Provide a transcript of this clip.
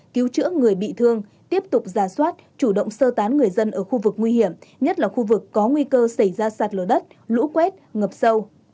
cứu chữa người bị thương tiếp tục giả soát chủ động sơ tán người dân ở khu vực nguy hiểm nhất là khu vực có nguy cơ xảy ra sạt lở đất lũ quét ngập sâu